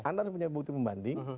anda harus punya bukti pembanding